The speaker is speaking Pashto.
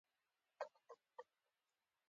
چې ډېر تخليقي ذهنونه او ادبي مزاجونه ئې لرل